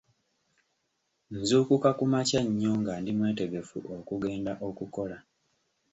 Nzuukuka kumakya nnyo nga ndi mwetegefu okugenda okukola.